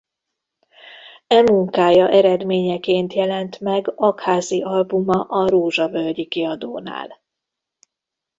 E munkája eredményeként jelent meg Aggházy-albuma a Rózsavölgyi Kiadónál.